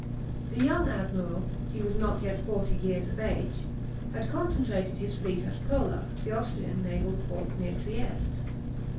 The young admiral (he was not yet forty years of age) had concentrated his fleet at Pola, the Austrian naval port near Trieste.